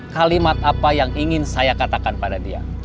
kalimat apa yang ingin saya katakan pada dia